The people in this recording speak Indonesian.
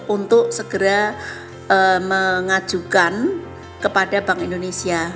untuk segera mengajukan kepada bank indonesia